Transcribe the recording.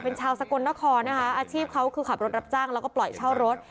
เป็นชาวสกลนครนะคะอาชีพเขาคือขับรถรับจ้างแล้วก็ปล่อยเช่ารถ